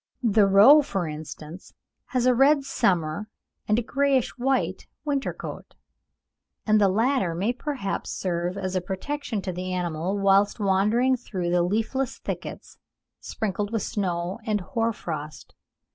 The roe, for instance, has a red summer and a greyish white winter coat; and the latter may perhaps serve as a protection to the animal whilst wandering through the leafless thickets, sprinkled with snow and hoar frost.